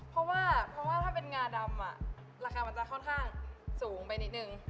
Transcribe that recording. เพราะว่าเพราะว่าถ้าเป็นงาดำราคามันจะค่อนข้างสูงไปนิดนึง